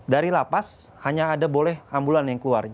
dari lapas hanya ada boleh ambulan yang keluar